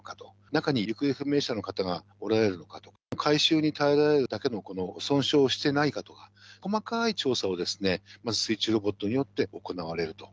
中に行方不明者の方がおられるのか、回収に耐えられるだけの損傷をしてないかとか、細かい調査をまず水中ロボットによって行われると。